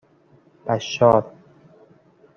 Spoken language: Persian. بَشار